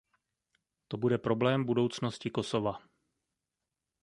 To bude problém budoucnosti Kosova.